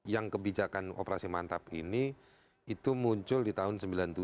yang kebijakan operasi mantap ini itu muncul di tahun sembilan puluh tujuh